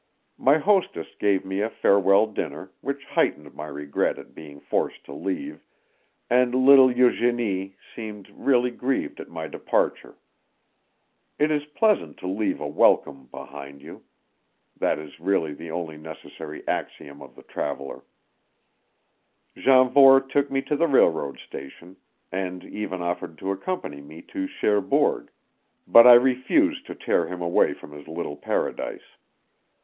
My hostess gave me a farewell dinner, which heightened my regret at being forced to leave, and little Eugenie seemed really grieved at my departure. It is pleasant to leave a welcome behind you; that is really the only necessary axiom of the traveler. Janvour took me to the railroad station, and even offered to accompany me to Cherbourg; but I refused to tear him away from his little paradise.